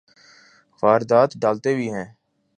واردات ڈالتے بھی ہیں۔